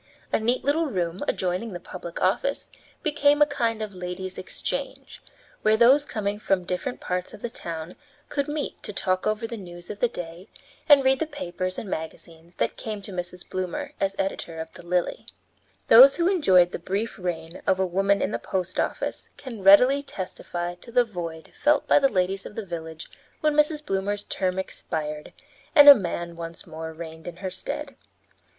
A neat little room adjoining the public office became a kind of ladies' exchange, where those coming from different parts of the town could meet to talk over the news of the day and read the papers and magazines that came to Mrs. Bloomer as editor of the Lily. Those who enjoyed the brief reign of a woman in the post office can readily testify to the void felt by the ladies of the village when Mrs. Bloomer's term expired and a man once more reigned in her stead.